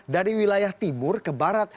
dari wilayah timur ke barat